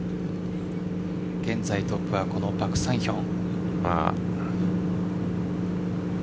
現在、トップはこのパク・サンヒョン。